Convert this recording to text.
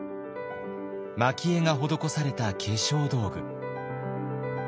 まき絵が施された化粧道具。